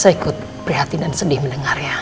saya ikut prihatin dan sedih mendengarnya